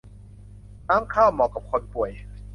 น้ำข้าว เหมาะกับคนป่วย